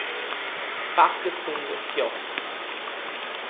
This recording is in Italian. Pak Sung-hyok